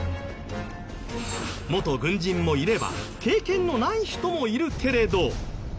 元軍人もいれば経験のない人もいるけれど。